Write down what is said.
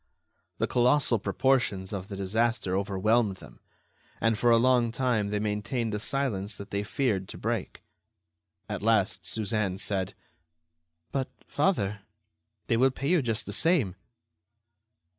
The colossal proportions of the disaster overwhelmed them, and for a long time they maintained a silence that they feared to break. At last, Suzanne said: "But, father, they will pay you just the same."